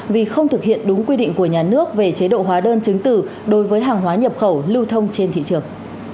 vì không thực hiện đúng quy định của nhà nước về chế độ hóa đơn chứng tử đối với hàng hóa nhập khẩu lưu thông trên thị trường